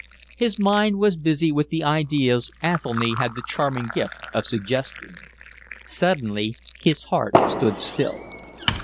His mind was busy with the ideas Athelny had the charming gift of suggesting. Suddenly his heart stood still.